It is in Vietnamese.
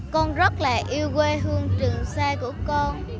con rất là yêu quê hương trường sa của con